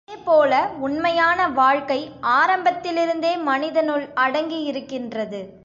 இதே போல உண்மையான வாழ்க்கை ஆரம்பத்திலிருந்தே மனிதனுள் அடங்கியிருக்கின்றது.